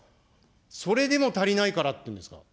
それでも足りないからっていうんですよ。